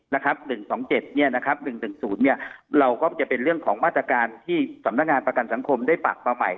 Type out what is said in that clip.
เราก็จะเป็นเรื่องของมาตรการที่สำนักงานประกันสังคมได้ปากมาใหม่